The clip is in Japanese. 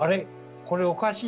これおかしいな」と。